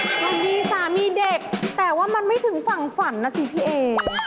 บางทีสามีเด็กแต่ว่ามันไม่ถึงฝั่งฝันนะสิพี่เอ